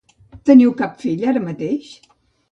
Teniu cap fill ara mateix?